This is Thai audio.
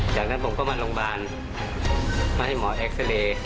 จากนั้นผมก็มาโรงพยาบาลมาให้หมอเอ็กซาเรย์